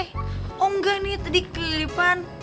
oh enggak nih tadi kelipan